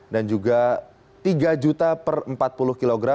dan juga rp tiga per empat puluh kg